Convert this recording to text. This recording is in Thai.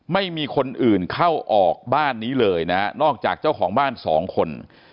ไม่มีคนอื่นเข้าออกบ้านนี้เลยนะนอกจากเจ้าของบ้านสองคน